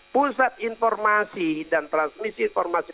pusat informasi dan transmisi informasi